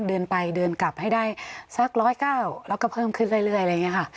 เดินไปเดินกลับให้ได้สัก๑๐๙แล้วก็เพิ่มขึ้นเรื่อยอะไรอย่างนี้ค่ะ